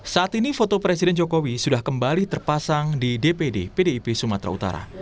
saat ini foto presiden jokowi sudah kembali terpasang di dpd pdip sumatera utara